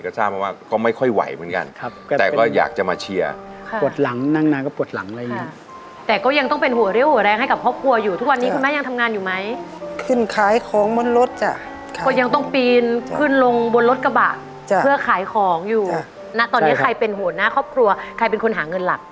ตอนนี้ใครเป็นหัวหน้าครอบครัวใครเป็นคนหาเงินหลัก